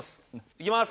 いきます！